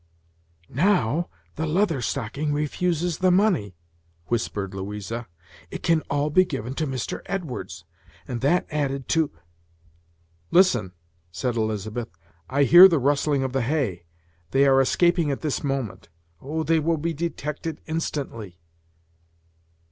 "Now the Leather Stocking refuses the money," whispered Louisa, "it can all be given to Mr. Edwards, and that added to " "Listen!" said Elizabeth; "I hear the rustling of the hay; they are escaping at this moment. Oh! they will be detected instantly!"